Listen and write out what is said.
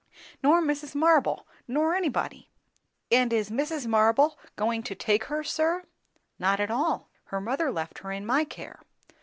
Nor Mrs. Marble, nor anybody. And is Mrs. Marble going to take her, sir?" "Not at all. Her mother left her in my care."